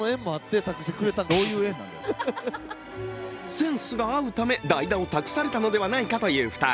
センスが合うため代打を託されたのではないかという２人